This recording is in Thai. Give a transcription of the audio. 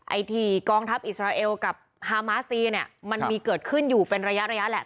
ไอ้ที่กองทัพอิสราเอลกับฮามาสตีเนี่ยมันมีเกิดขึ้นอยู่เป็นระยะระยะแหละ